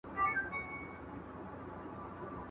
¬ اوبه چي تر سر تيري سي، څه يوه نېزه څه سل.